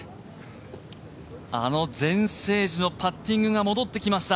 あの全盛時のパッティングが戻ってきました。